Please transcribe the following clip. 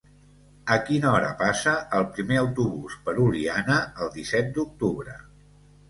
A quina hora passa el primer autobús per Oliana el disset d'octubre?